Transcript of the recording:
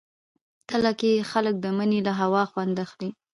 تله کې خلک د مني له هوا خوند اخلي.